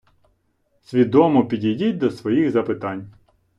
Свідомо підійдіть до своїх запитань.